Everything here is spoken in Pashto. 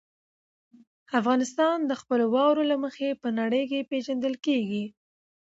افغانستان د خپلو واورو له مخې په نړۍ کې پېژندل کېږي.